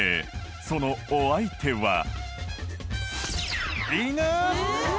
そのお相手は犬！